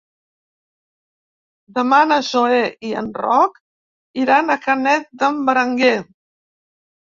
Demà na Zoè i en Roc iran a Canet d'en Berenguer.